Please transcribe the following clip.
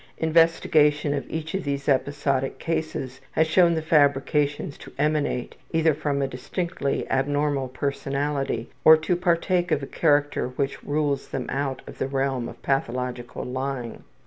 Investigation of each of these episodic cases has shown the fabrications to emanate either from a distinctly abnormal personality or to partake of a character which rules them out of the realm of pathological lying.